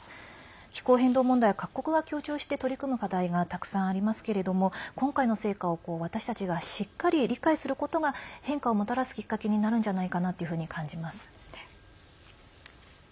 気候変動問題は各国が協調して取り組む課題がたくさんありますけれども今回の成果を私たちがしっかり理解することが変化をもたらすきっかけになるんじゃないかなというふうに感じます。